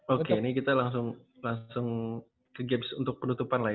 oke ini kita langsung ke games untuk penutupan lah ya